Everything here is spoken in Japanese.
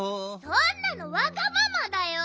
そんなのわがままだよ。